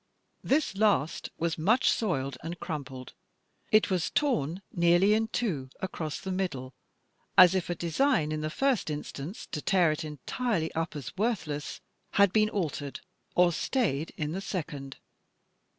This last was much soiled and crumpled. It was torn nearly in two, across the middle — as if a design, in the first instance, to tear it entirely up as worthless, had been altered, or stayed in the second.